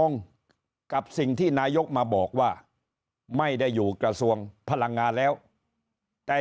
กับสิ่งที่นายกมาบอกว่าไม่ได้อยู่กระทรวงพลังงานแล้วแต่